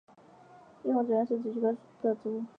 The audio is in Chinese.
丽江紫菀是菊科紫菀属的植物。